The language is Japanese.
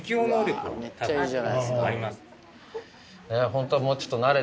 ホントは。